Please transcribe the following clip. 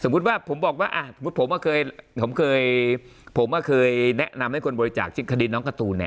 สมมุติว่าผมบอกว่าสมมุติผมก็เคยแนะนำให้คนบริจาคคดีน้องกระตูลเนี่ย